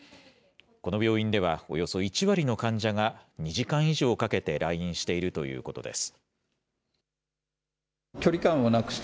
この病院ではおよそ１割の患者が２時間以上かけて来院しているということです。